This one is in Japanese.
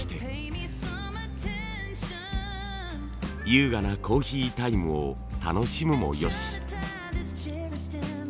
優雅なコーヒータイムを楽しむもよし。